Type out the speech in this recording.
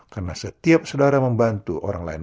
karena setiap saudara membantu orang lain